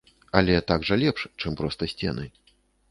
Але так жа лепш, чым проста сцены.